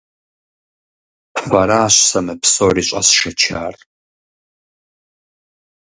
Фэращ сэ мы псори щӀэсшэчар.